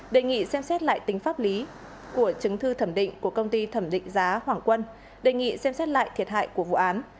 đề nghị xem xét lại tính pháp lý của chứng thư thẩm định của công ty thẩm định giá hoàng quân đề nghị xem xét lại thiệt hại của vụ án